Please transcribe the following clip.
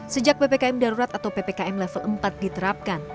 sejak ppkm darurat atau ppkm level empat diterapkan